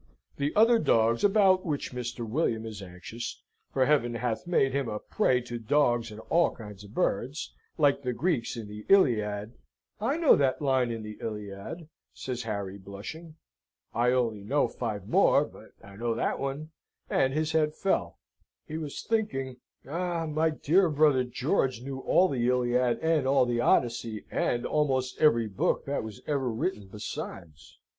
The other dogs about which Mr. William is anxious, for Heaven hath made him a prey to dogs and all kinds of birds, like the Greeks in the Iliad " "I know that line in the Iliad," says Harry, blushing. "I only know five more, but I know that one." And his head fell. He was thinking, "Ah, my dear brother George knew all the Iliad and all the Odyssey, and almost every book that was ever written besides!"